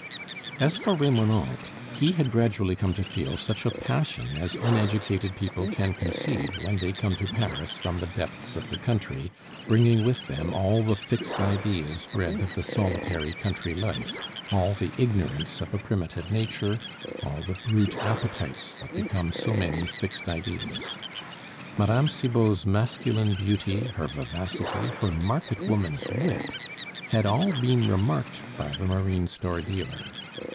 As for Remonencq, he had gradually come to feel such a passion as uneducated people can conceive when they come to Paris from the depths of the country, bringing with them all the fixed ideas bred of the solitary country life; all the ignorance of a primitive nature, all the brute appetites that become so many fixed ideas. Mme. Cibot's masculine beauty, her vivacity, her market woman's wit, had all been remarked by the marine store dealer.